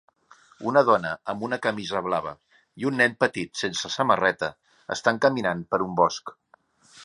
Una dona amb una camisa blava i un nen petit sense samarreta estan caminant per un bosc.